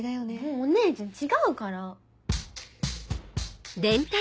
お姉ちゃん違うから。